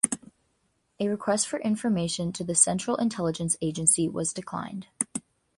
A request for information to the Central Intelligence Agency was declined.